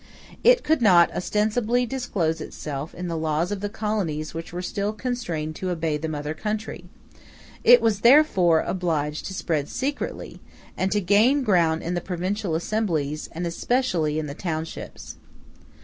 It could not ostensibly disclose itself in the laws of colonies which were still constrained to obey the mother country: it was therefore obliged to spread secretly, and to gain ground in the provincial assemblies, and especially in the townships.